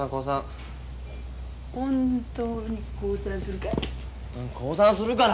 本当に降参するか？